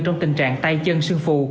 trong tình trạng tay chân sương phù